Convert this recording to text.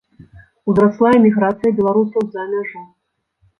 Узрасла эміграцыя беларусаў за мяжу.